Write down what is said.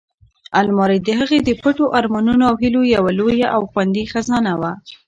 المارۍ د هغې د پټو ارمانونو او هیلو یوه لویه او خوندي خزانه وه.